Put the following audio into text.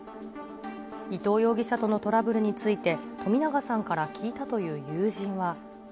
伊藤容疑者とのトラブルについて、冨永さんから聞いたという友人は。